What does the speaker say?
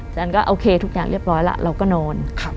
ฉันก็โอเคทุกอย่างเรียบร้อยแล้วเราก็นอน